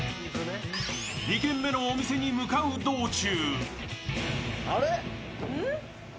２軒目のお店に向かう道中